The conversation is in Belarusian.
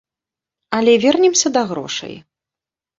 Але вернемся да грошай.